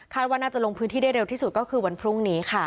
ว่าน่าจะลงพื้นที่ได้เร็วที่สุดก็คือวันพรุ่งนี้ค่ะ